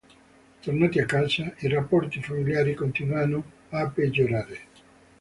Tornati a casa, i rapporti familiari continuano a peggiorare.